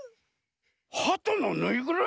ハトのぬいぐるみ？